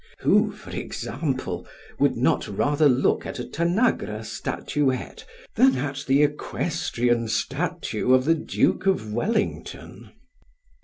Who, for example, would not rather look at a Tanagra statuette than at the equestrian statue of the Duke of Wellington?